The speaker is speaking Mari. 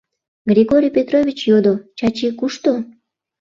Григорий Петрович йодо: — Чачи кушто?